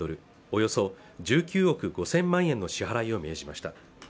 およそ１９億５０００万円の支払いを命じました